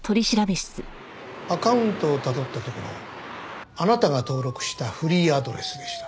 アカウントをたどったところあなたが登録したフリーアドレスでした。